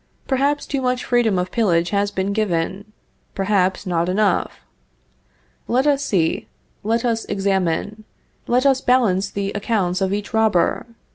Perhaps too much freedom of pillage has been given; perhaps not enough. Let us see; let us examine; let us balance the accounts of each robber.